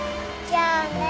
じゃあね。